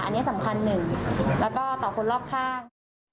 อันนี้สำคัญหนึ่งแล้วก็ต่อคนรอบข้าง